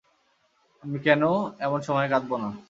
আমি কেন এমন সময়ে কাঁদব না?